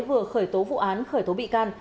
vừa khởi tố vụ án khởi tố bị can